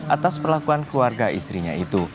atas perlakuan keluarga istrinya itu